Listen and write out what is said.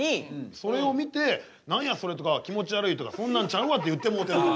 それを見て何やそれとか気持ちわるいとかそんなんちゃうわって言ってもうてる。